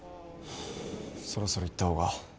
そろそろ行った方が。